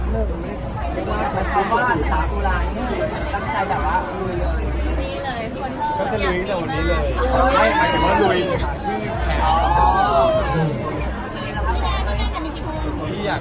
ลึก่อนด้านตราตูราย